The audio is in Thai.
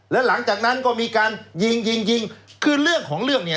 แล้วหลังจากนั้นก็มีการยิงยิงยิงคือเรื่องของเรื่องเนี่ย